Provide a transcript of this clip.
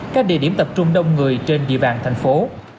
các địa điểm tập trung đông người trên địa bàn thành phố